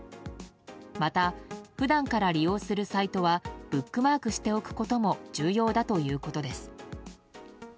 また、普段から利用するサイトはブックマークしておくことも重要だということです。